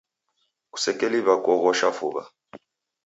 Kusekeliw'a kuoghosha fuw'a.